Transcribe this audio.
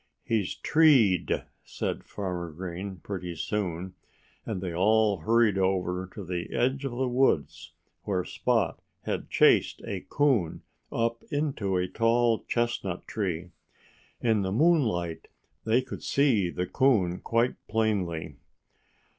"He's treed!" said Farmer Green, pretty soon. And they all hurried over to the edge of the woods, where Spot had chased a coon up into a tall chestnut tree. In the moonlight they could see the coon quite plainly.